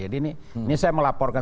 jadi ini saya melaporkan